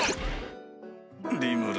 リムル